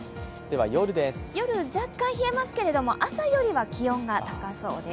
夜、若干冷えますけど、朝よりは気温は高そうです。